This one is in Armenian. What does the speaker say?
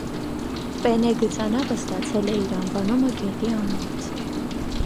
Պենեյ գծանավը ստացել է իր անվանումը գետի անունից։